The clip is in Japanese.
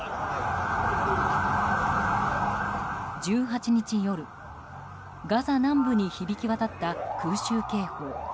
１８日夜、ガザ南部に響き渡った空襲警報。